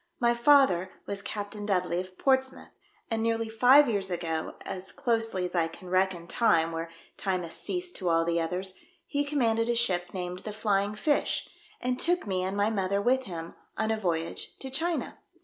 My father was Captain Dudley, of Portsmouth, and nearly five years ago, as closely as I can reckon time where time has ceased to all the others, he commanded a ship named the Flying Fish, and took me and my mother with him on a voyage to China.